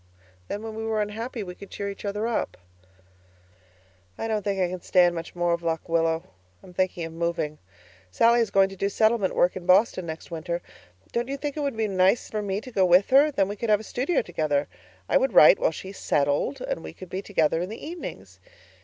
Then when we were unhappy we could cheer each other up. I don't think I can stand much more of Lock Willow. I'm thinking of moving. Sallie is going to do settlement work in Boston next winter. Don't you think it would be nice for me to go with her, then we could have a studio together? I would write while she SETTLED and we could be together in the evenings.